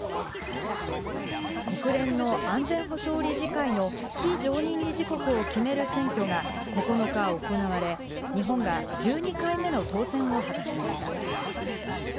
国連の安全保障理事会の非常任理事国を決める選挙が９日行われ、日本が１２回目の当選を果たしました。